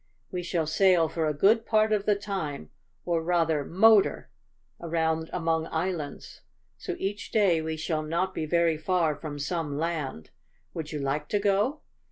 We shall sail for a good part of the time or, rather, motor around among islands, so each day we shall not be very far from some land. Would you like to go?"